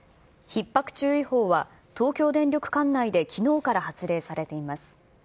ひっ迫注意報は、東京電力管内できのうから発令されています。